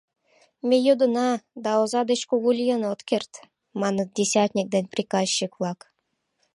«Ме йодына, да оза деч кугу лийын от керт», — маныт десятник ден приказчик-влак.